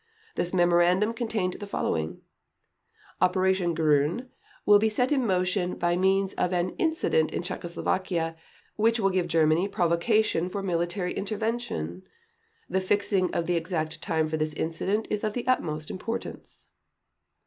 This memorandum contained the following: "Operation Grün will be set in motion by means of an 'incident' in Czechoslovakia, which will give Germany provocation for military intervention. The fixing of the exact time for this incident is of the utmost importance."